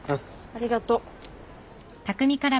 ありがとう。